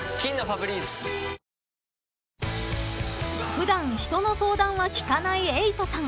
［普段人の相談は聞かない瑛人さん］